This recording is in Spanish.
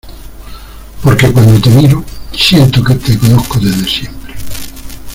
porque, cuando te miro , siento que te conozco desde siempre.